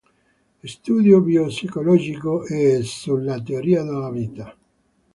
Studio bio-psicologico" e "Sulla teoria della vita".